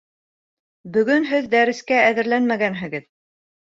Бөгөн һеҙ дәрескә әҙерләнмәгәнһегеҙ